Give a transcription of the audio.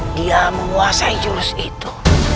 dia menguasai jurus itu